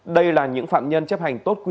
đây là những phạm nhân chấp hành tốt quý